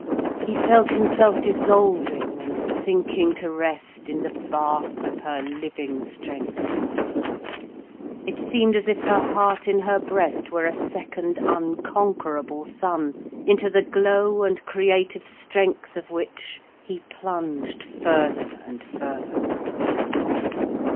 He felt himself dissolving and sinking to rest in the bath of her living strength. It seemed as if her heart in her breast were a second unconquerable sun, into the glow and creative strength of which he plunged further and further.